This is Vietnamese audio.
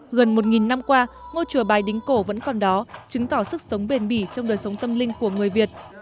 gần một năm qua ngôi chùa bài đính cổ vẫn còn đó chứng tỏ sức sống bền bỉ trong đời sống tâm linh của người việt